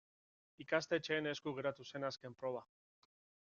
Ikastetxeen esku geratu zen azken proba.